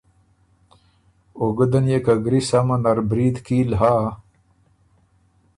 او ګُده نيې که ګری سمه نر برید کیل هۀ۔